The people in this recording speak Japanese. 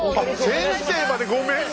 先生までごめんなさい！